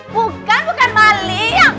bukan bukan maling